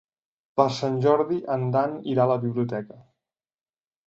Per Sant Jordi en Dan irà a la biblioteca.